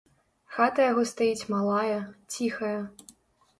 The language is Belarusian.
Хата яго стаіць малая, ціхая.